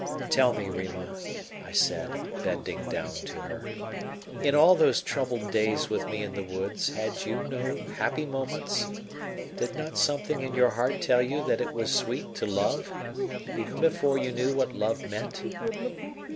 "Tell me, Rima," I said, bending down to her, "in all those troubled days with me in the woods had you no happy moments? Did not something in your heart tell you that it was sweet to love, even before you knew what love meant?"